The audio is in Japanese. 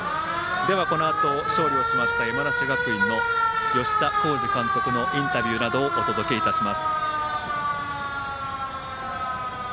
では、このあと勝利をしました山梨学院の吉田洸二監督のインタビューなどをお届けします。